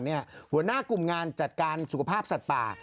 หัวหน้ากลุ่มงานจัดการสุขภาพสัตว์ป่า